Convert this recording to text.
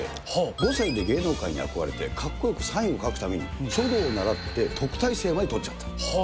５歳で芸能界に憧れてかっこよくサインを書くために、書道を習って特待生まで取っちゃった。